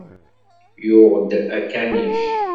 Yuɣ-d akanic.